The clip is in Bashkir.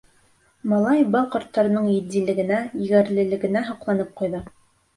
Малай бал ҡорттарының етдилегенә, егәрлелегенә һоҡланып ҡуйҙы.